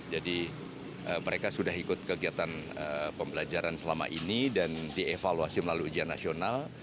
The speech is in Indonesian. jadi mereka sudah ikut kegiatan pembelajaran selama ini dan dievaluasi melalui ujian nasional